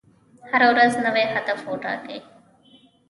هره ورځ نوی هدف وټاکئ.